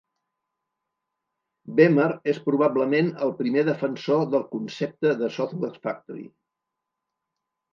Bemer és probablement el primer defensor del concepte de Software Factory.